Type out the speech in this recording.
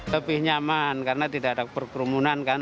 lebih nyaman karena tidak ada perkerumunan kan